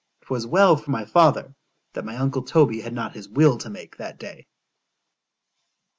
'Twas well for my father, that my uncle Toby had not his will to make that day.